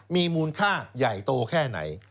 มีมูลค่าใหญ่โตแค่ไหน